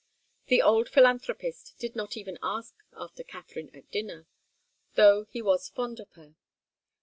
The old philanthropist did not even ask after Katharine at dinner, though he was fond of her.